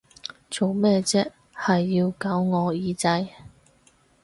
做咩啫，係要搞我耳仔！